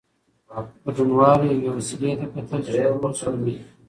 ګډونوالو یوې وسيلې ته کتل چې "اوز" نومېده.